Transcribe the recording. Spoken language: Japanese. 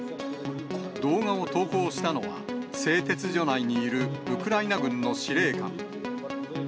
動画を投稿したのは、製鉄所内にいるウクライナ軍の司令官。